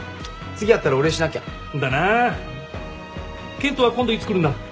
健人は今度いつ来るんだ？